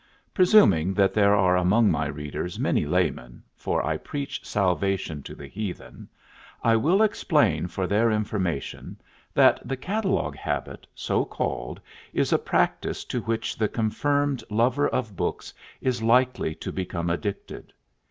Presuming that there are among my readers many laymen, for I preach salvation to the heathen, I will explain for their information that the catalogue habit, so called, is a practice to which the confirmed lover of books is likely to become addicted.